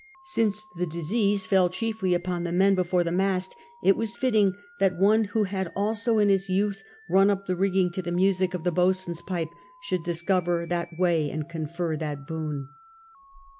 Since the disease fell chiefly upon the men before the mast, it was fitting that one who had also in his 3»outh run up the rigging to the music of tlie boatswain's pipe should discover that way and confer that boon.